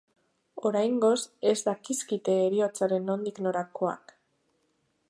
Oraingoz, ez dakizkite heriotzaren nondik norakoak.